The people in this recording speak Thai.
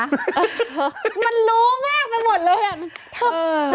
มันรู้มากไปหมดเลยอ่ะ